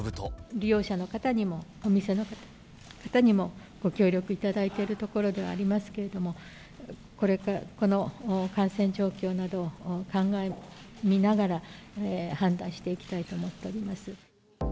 利用者の方にも、お店の方にも、ご協力いただいているところではありますけれども、この感染状況などを鑑みながら、判断していきたいと思っておりま